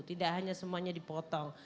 tidak hanya semuanya dipotong